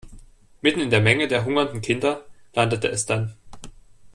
Mitten in der Menge der hungernden Kinder landete es dann.